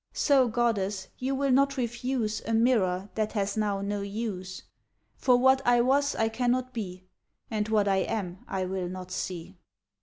So, Goddess, you will not refuse A mirror that has now no use ; For what I was I cannot be, And what I am I will not see.